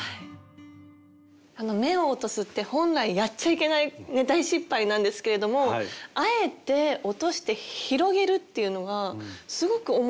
目を落とすって本来やっちゃいけない大失敗なんですけれどもあえて落として広げるっていうのがすごく面白いですよね。